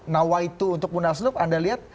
nawaitu untuk bunda aslub anda lihat